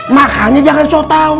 makanya jangan sotau